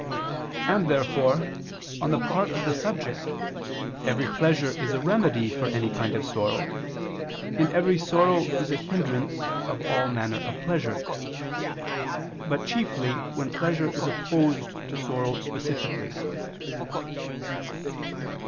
And therefore on the part of the subject every pleasure is a remedy for any kind of sorrow, and every sorrow is a hindrance of all manner of pleasure: but chiefly when pleasure is opposed to sorrow specifically.